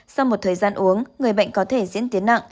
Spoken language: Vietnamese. sau một thời gian uống người bệnh có thể diễn tiến nặng